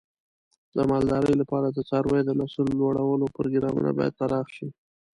د مالدارۍ لپاره د څارویو د نسل لوړولو پروګرامونه باید پراخ شي.